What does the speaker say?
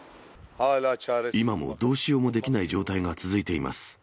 今もどうしようもできない状態が続いています。